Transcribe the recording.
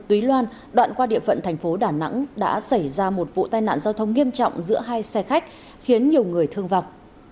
tuy loan đoạn qua địa phận thành phố đà nẵng đã xảy ra một vụ tai nạn giao thông nghiêm trọng giữa hai xe khách khiến nhiều người thương vọng